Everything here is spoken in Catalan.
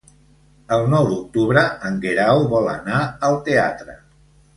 El nou d'octubre en Guerau vol anar al teatre.